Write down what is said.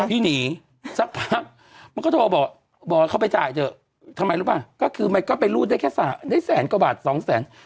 พี่หนีซักพักเค้าโทรบอกเขาไปจ่ายจ๊ะทำไมหรือเปล่าก็คือมันก็ไปลูดได้แสนกว่าบาท๒แสน